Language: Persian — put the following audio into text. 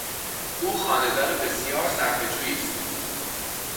او خانه دار بسیار صرفه جویی است.